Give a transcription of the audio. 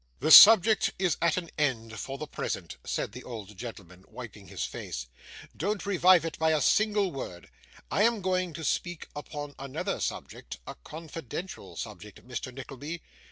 'The subject is at an end for the present,' said the old gentleman, wiping his face. 'Don't revive it by a single word. I am going to speak upon another subject, a confidential subject, Mr. Nickleby.